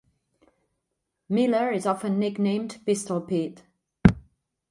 Miller is often nicknamed "Pistol Pete".